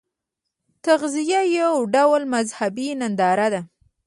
تعزیه یو ډول مذهبي ننداره ده.